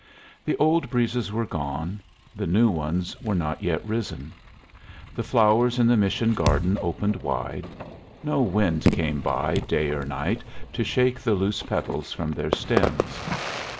The old breezes were gone; the new ones were not yet risen. The flowers in the mission garden opened wide; no wind came by day or night to shake the loose petals from their stems.